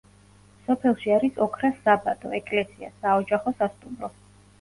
სოფელში არის ოქრას საბადო, ეკლესია, საოჯახო სასტუმრო.